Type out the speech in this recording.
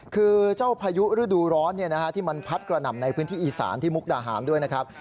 คือเจ้าพายุฤดูร้อนที่มันพัดกระหน่ำในพื้นที่อีสานที่มุกดาหารด้วยนะครับ